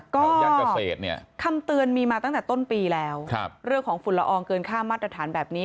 ก็คำเตือนมีมาตั้งแต่ต้นปีแล้วเรื่องของฝุ่นละอองเกินค่ามาตรฐานแบบนี้